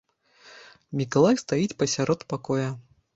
Мікалай стаіць пасярод пакоя.